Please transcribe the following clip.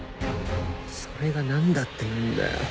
それが何だっていうんだよ。